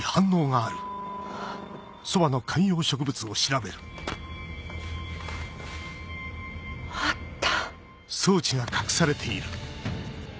あった！